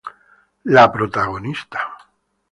La protagonista.